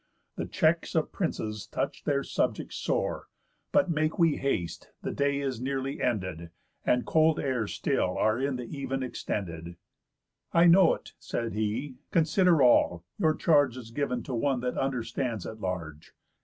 The checks of princes touch their subjects sore. But make we haste, the day is nearly ended, And cold airs still are in the even extended." "I know't," said he, "consider all; your charge Is giv'n to one that understands at large.